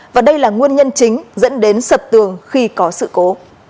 và đây là nguyên nhân chính dẫn đến sập tường khi có sự cố